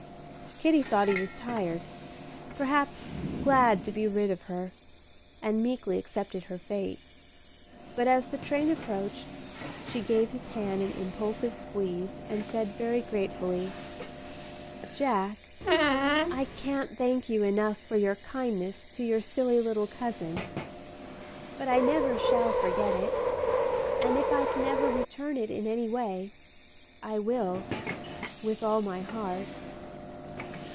Kitty thought he was tired, perhaps glad to be rid of her, and meekly accepted her fate. But as the train approached, she gave his hand an impulsive squeeze, and said very gratefully, "Jack, I can't thank you enough for your kindness to your silly little cousin; but I never shall forget it, and if I ever can return it in any way, I will with all my heart."